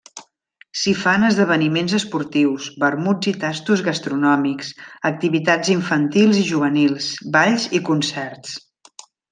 S’hi fan esdeveniments esportius, vermuts i tastos gastronòmics, activitats infantils i juvenils, balls i concerts.